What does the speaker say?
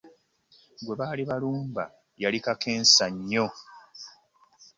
Gwe baali balumba yali kakensa nnyo